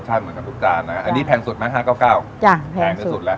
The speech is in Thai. อันนี้แพงสุดมั้ย๕๙๙บาท